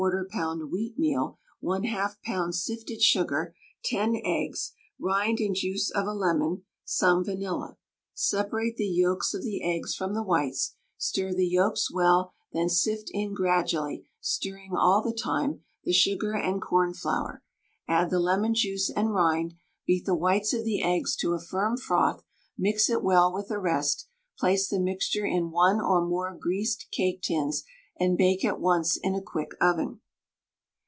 wheatmeal, 1/2 lb. sifted sugar, 10 eggs, rind and juice of a lemon, some vanilla. Separate the yolks of the eggs from the whites; stir the yolks well, then sift in gradually, stirring all the time, the sugar and cornflour; add the lemon juice and rind; beat the whites of the eggs to a firm froth, mix it well with the rest; place the mixture in one or more greased cake tins and bake at once in a quick oven.